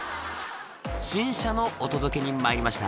「新車のお届けにまいりました」